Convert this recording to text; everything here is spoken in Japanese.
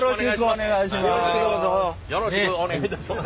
お願いします。